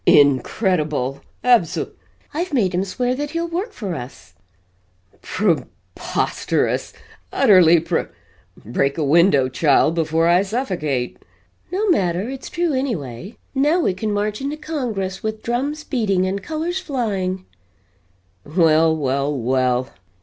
"INCREDIBLE! Abso " "I've made him swear that he'll work for us!" "PRE POSTEROUS! Utterly pre break a window, child, before I suffocate!" "No matter, it's true anyway. Now we can march into Congress with drums beating and colors flying!" "Well well well.